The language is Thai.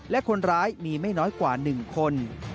และคนร้ายมีไม่น้อยกว่า๑คน